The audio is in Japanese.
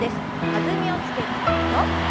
弾みをつけて２度。